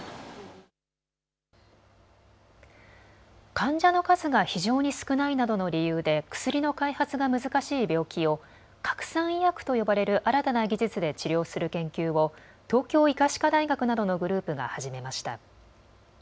患者の数が非常に少ないなどの理由で薬の開発が難しい病気を核酸医薬と呼ばれる新たな技術で治療する研究を東京医科歯科大学などのグループが始めました。